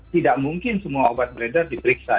tidak mungkin semua obat beredar diperiksa